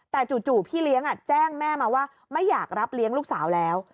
แต่จู่พี่เลี้ยงแจ้งแม่มาว่าไม่อยากรับเลี้ยงลูกสาวแล้ว